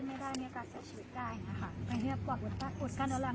และกว่ามันได้ที่ไม่ได้มากกว่าของ